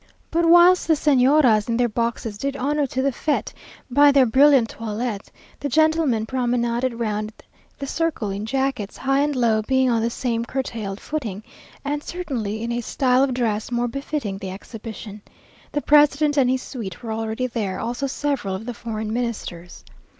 But whilst the Señoras in their boxes did honour to the fête by their brilliant toilet, the gentlemen promenaded round the circle in jackets, high and low being on the same curtailed footing, and certainly in a style of dress more befitting the exhibition. The president and his suite were already there, also several of the foreign Ministers.